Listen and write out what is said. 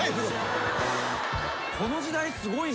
この時代すごいな。